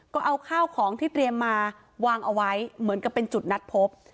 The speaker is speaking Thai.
ก็เอาข้าวของที่เตรียมมาวางเอาไว้เหมือนกับเป็นจุดนัดพบ